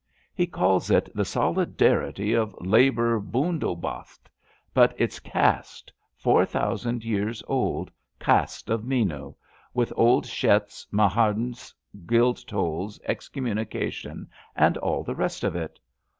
He calls it the solidarity of labour hundohast; but it's caste — four thousand years old, caste of Menu — ^with old shetts, mahajuns, guildtoUs, excommunication and all the rest of it.